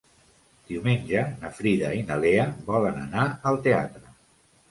Diumenge na Frida i na Lea volen anar al teatre.